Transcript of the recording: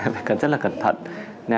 phải rất là cẩn thận